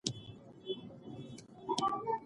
مقعد وینه جدي ونیسئ.